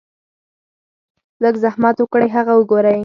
لږ زحمت اوکړئ هغه اوګورئ -